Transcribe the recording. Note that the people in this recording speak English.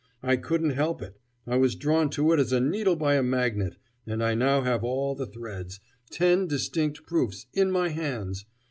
I couldn't help it. I was drawn to it as a needle by a magnet, and I now have all the threads ten distinct proofs in my hands.